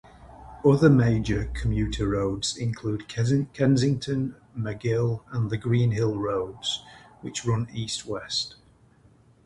Other major commuter roads include Kensington, Magill and Greenhill Roads, which run east-west.